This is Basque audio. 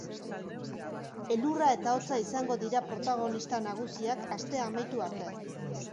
Elurra eta hotza izango dira protagonista nagusiak astea amaitu arte.